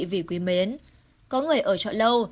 vì quý mến có người ở trọ lâu